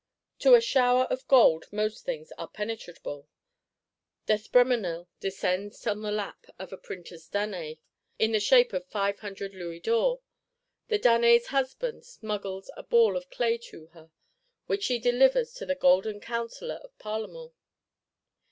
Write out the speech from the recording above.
To a shower of gold most things are penetrable. D'Espréménil descends on the lap of a Printer's Danae, in the shape of "five hundred louis d'or:" the Danae's Husband smuggles a ball of clay to her; which she delivers to the golden Counsellor of Parlement.